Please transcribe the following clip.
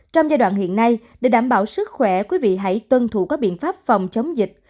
trong giai đoạn hiện nay để đảm bảo sức khỏe quý vị hãy tuân thủ các biện pháp phòng chống dịch